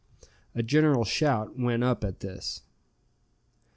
A general shout went up at this.